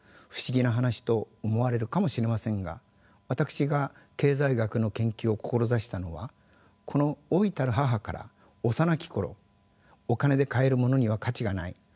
不思議な話と思われるかもしれませんが私が経済学の研究を志したのはこの老いたる母から幼き頃「お金で買えるものには価値がない」。